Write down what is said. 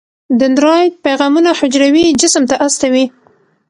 دندرایت پیغامونه حجروي جسم ته استوي.